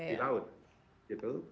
di laut gitu